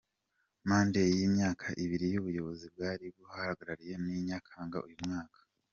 Manda y’ imyaka ibiri y’ubuyobozi bwari ho yarangiye muri Nyakanga uyu mwaka.